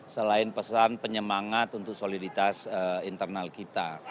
selain pesan penyemangat untuk soliditas internal kita